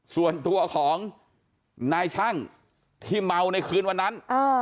ส่วนตัวของนายช่างที่เมาในคืนวันนั้น